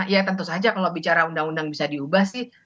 ya tentu saja kalau bicara undang undang bisa diubah sih